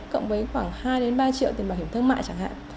cộng với khoảng hai ba triệu tiền bảo hiểm thương mại chẳng hạn